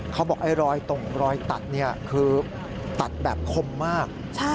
เขาบอกไอ้รอยตรงรอยตัดคือตัดแบบคมมาก